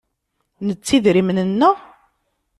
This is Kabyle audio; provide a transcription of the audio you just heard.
Nettu idrimen-nneɣ?